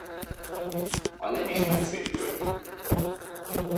A len is megszépült.